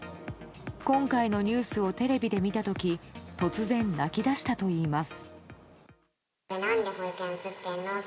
今回のニュースをテレビで見た時突然、泣き出したといいます。